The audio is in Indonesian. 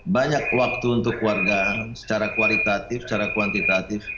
banyak waktu untuk keluarga secara kualitatif